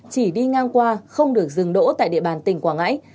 chỉ đi ngang qua không được dừng đỗ tại địa bàn tỉnh quảng ngãi